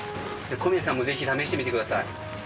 小宮さんもぜひ、試してみてください。